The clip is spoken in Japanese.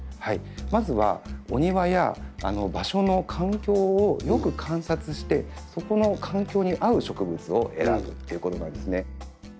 まずはお庭や場所の環境をよく観察してそこの環境に合う植物を選ぶっていうことなんですね。